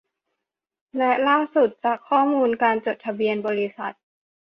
และล่าสุดจากข้อมูลการจดทะเบียนบริษัท